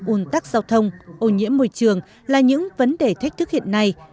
ủn tắc giao thông ô nhiễm môi trường là những vấn đề thách thức hiện nay